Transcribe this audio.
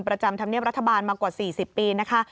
ธรรมเนียบรัฐบาลมากว่า๔๐ปีนะคะ